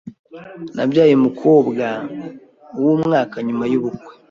Nabyaye umukobwa wumwaka nyuma yubukwe.